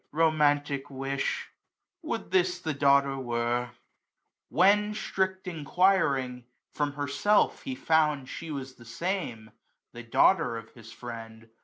'^ Romantic wish ! would this the daughter were !'' When, strict enquiring, from herself he found She was the same, the daughter of his friend.